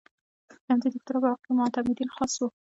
د همدې دوکتورا په وخت کې معتمدین خاص وو.